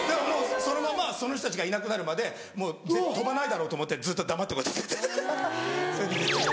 もうそのままその人たちがいなくなるまで飛ばないだろうと思ってずっと黙ってこうやって。